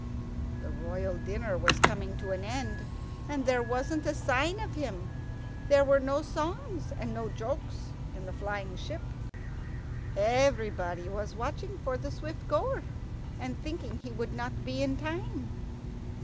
The royal dinner was coming to an end, and there wasn't a sign of him. There were no songs and no jokes in the flying ship. Everybody was watching for the Swift goer, and thinking he would not be in time.